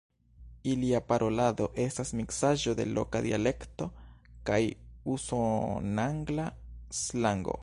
Ilia parolado estas miksaĵo de loka dialekto kaj usonangla slango.